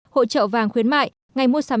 hội trợ vàng khuyến mại ngày mua sắm trị